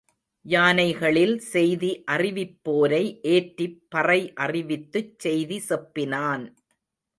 யானைகளில் செய்தி அறிவிப்போரை ஏற்றிப் பறை அறிவித்துச் செய்தி செப்பினான்.